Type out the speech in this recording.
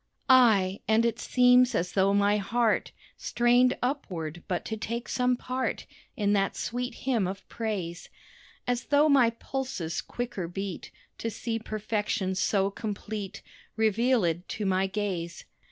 Ay! and it seems as though my heart Strained upward, but to take some part In that sweet hymn of praise; As though my pulses quicker beat, To see perfection so complete Revealéd to my gaze.